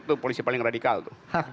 itu polisi paling radikal tuh